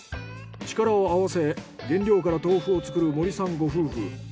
力を合わせ原料から豆腐を作る森さんご夫婦。